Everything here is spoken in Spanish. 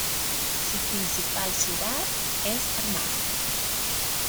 Su principal ciudad es Armagh.